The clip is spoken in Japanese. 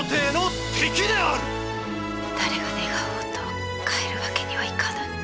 誰が願おうと帰るわけにはいかぬ。